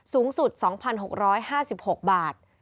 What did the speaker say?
สูงสุด๒๖๕๖บาท